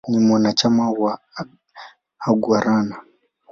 Ni mwanachama wa "Aguaruna".